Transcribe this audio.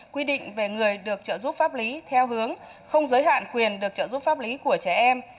quy định về người được trợ giúp pháp lý theo hướng không giới hạn quyền được trợ giúp pháp lý của trẻ em